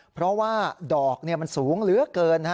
เพราะว่าดอกมันสูงเหลือเกิน